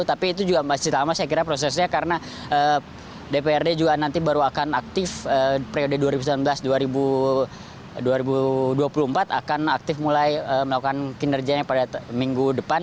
tapi itu juga masih lama saya kira prosesnya karena dprd juga nanti baru akan aktif periode dua ribu sembilan belas dua ribu dua puluh empat akan aktif mulai melakukan kinerjanya pada minggu depan